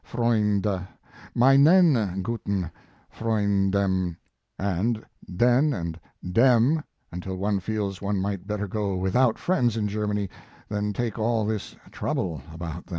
# Mein^z guien Freund^w, and den and dem until one feels one might better go without friends in Germany than take all this trouble about them.